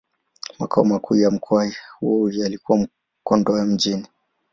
Makao makuu ya mkoa huo yalikuwa Kondoa Mjini.